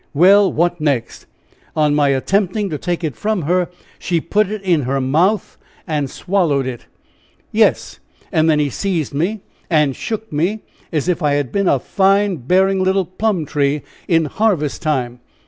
"Well what next?" "On my attempting to take it from her she put it in her mouth and swallowed it." "Yes! and then he seized me and shook me, as if I had been a fine bearing little plum tree in harvest time."